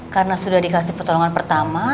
karena sudah dikasih pertolongan pertama